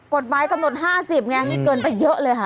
กฎไม้คำนวณ๕๐ไงนี่เกินไปเยอะเลยค่ะ